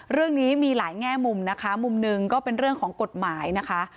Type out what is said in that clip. เรื่องนี้มีหลายแง่มุมนะคะมุมหนึ่งก็เป็นเรื่องของกฎหมายนะคะ